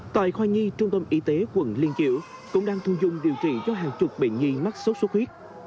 tại khoa nhi trung tâm y tế quận liên kiểu cũng đang thu dung điều trị cho hàng chục bệnh nhi mắc sốt xuất huyết